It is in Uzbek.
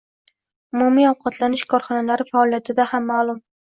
Umumiy ovqatlanish korxonalari faoliyatida ham maʼlum